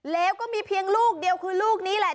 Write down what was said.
แล้วก็มีเพียงลูกเดียวคือลูกนี้แหละ